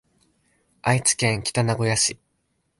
愛知県北名古屋市